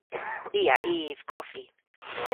I a yv koffi.